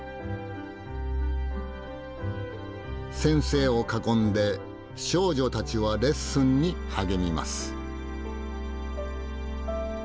先生を囲んで少女たちはレッスンに励みます。